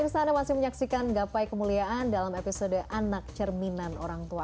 pemirsa anda masih menyaksikan gapai kemuliaan dalam episode anak cerminan orang tua